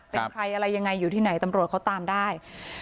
เป็นใครอะไรยังไงอยู่ที่ไหนตำรวจเขาตามได้